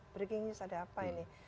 breaking news ada apa ini